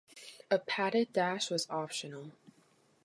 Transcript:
A padded dash was optional.